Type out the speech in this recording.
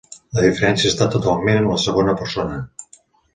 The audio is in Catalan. La diferència està totalment en la segona persona.